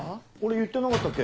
言ってなかったっけ。